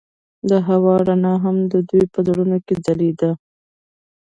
د هوا رڼا هم د دوی په زړونو کې ځلېده.